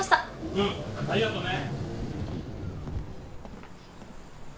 うんありがとね。